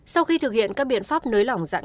sau khi thực hiện các biện pháp nới lỏng giãn